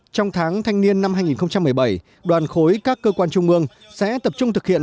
trong tháng thanh niên năm hai nghìn một mươi bảy đoàn khối các cơ quan trung ương sẽ tập trung thực hiện